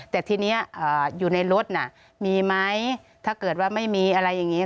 แต่ทีนี้อยู่ในรถน่ะมีไหมถ้าเกิดว่าไม่มีอะไรอย่างนี้